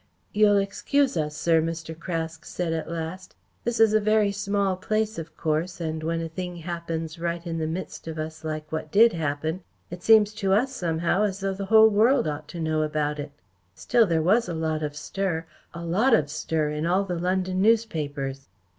"You'll excuse us, sir," Mr. Craske said at last. "This is a very small place, of course, and when a thing happens right in the midst of us like what did happen, it seems to us somehow as though the whole world ought to know about it. Still there was a lot of stir a lot of stir in all the London newspapers."